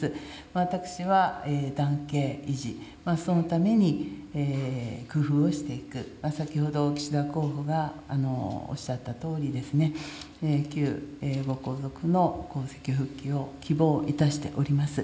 私は、男系維持、そのために工夫をしていく、先ほど岸田候補がおっしゃったとおりですね、旧ご皇族の皇籍復帰を希望いたしております。